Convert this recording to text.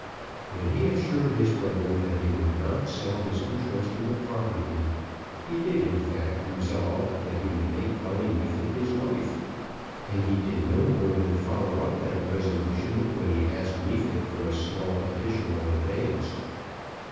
When he assured his brother that he would not sell his interest in the property, he did, in fact, resolve that he would make Polly Neefit his wife. And he did no more than follow up that resolution when he asked Neefit for a small additional advance.